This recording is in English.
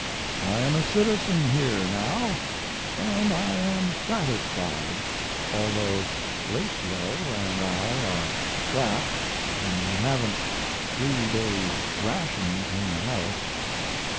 I am a citizen here now, and I am satisfied, although Ratio and I are "strapped" and we haven't three days' rations in the house....